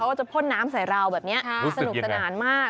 ว่าจะพ่นน้ำใส่เราแบบนี้สนุกสนานมาก